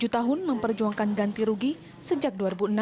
tujuh tahun memperjuangkan ganti rugi sejak dua ribu enam